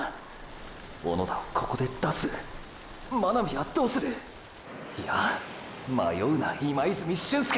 小野田をここで出す⁉真波はどうする⁉いや迷うな今泉俊輔！！